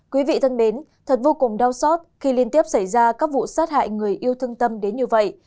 quý vị thân mến thật vô cùng đau xót khi liên tiếp xảy ra các vụ sát hại người yêu thương tâm đến như vậy